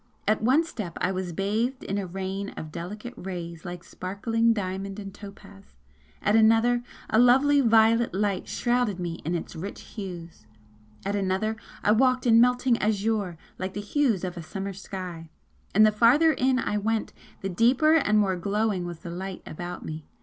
At one step I was bathed in a rain of delicate rays like sparkling diamond and topaz at another a lovely violet light shrouded me in its rich hues at another I walked in melting azure, like the hues of a summer sky and the farther in I went the deeper and more glowing was the light about me.